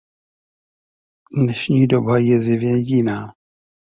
Dnešní doba je zjevně jiná.